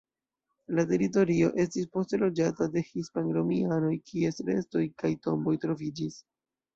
La teritorio estis poste loĝata de hispan-romianoj, kies restoj kaj tomboj troviĝis.